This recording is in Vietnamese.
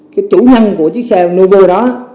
cái chủ hăng của chiếc xe nouveau đó